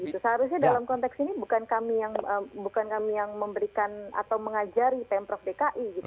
seharusnya dalam konteks ini bukan kami yang memberikan atau mengajari pemprov dki gitu